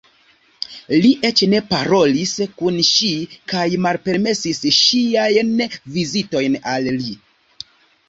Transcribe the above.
Li eĉ ne parolis kun ŝi kaj malpermesis ŝiajn vizitojn al li.